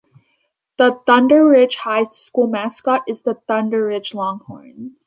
The Thunder Ridge High School mascot is the Thunder Ridge Longhorns.